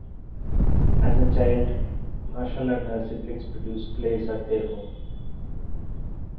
As a child, Marshall and her siblings produced plays at their home.